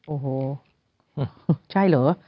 โอ้โหใช่เหรอ